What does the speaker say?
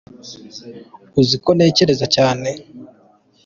uzikontekereza cyane